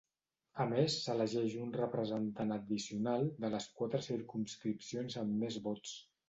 A més s'elegeix un representant addicional de les quatre circumscripcions amb més vots.